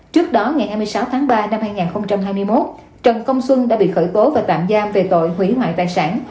trước đó ngày hai mươi sáu tháng ba năm hai nghìn hai mươi một trần công xuân đã bị khởi tố và tạm giam về tội hủy hoại tài sản